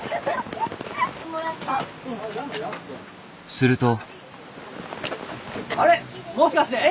すると。